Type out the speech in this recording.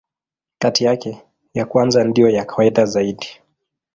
Kati yake, ya kwanza ndiyo ya kawaida zaidi.